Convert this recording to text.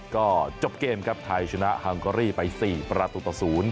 ก็จบเกมครับไทยชนะฮังกอรี่ไป๔ประตูต่อ๐